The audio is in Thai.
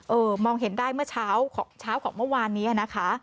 เออมองเห็นได้เมื่อเช้าของเมื่อวานนี้นะคะ